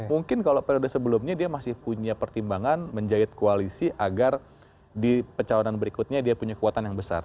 mungkin kalau periode sebelumnya dia masih punya pertimbangan menjahit koalisi agar di pencalonan berikutnya dia punya kekuatan yang besar